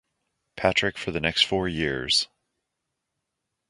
Patrick for the next four years.